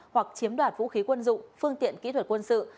hoặc chiếm đoạt vũ khí quân dụng phương tiện kỹ thuật quân sự